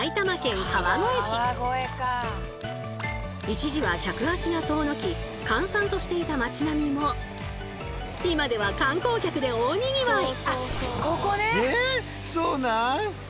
一時は客足が遠のき閑散としていた町並みも今では観光客で大にぎわい！